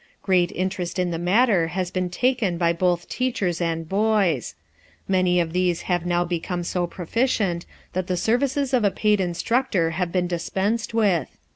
Great interest in the matter has been taken by both teachers and boys. Many of these have now become so proficient, that the services of a paid instructor have been dispensed with.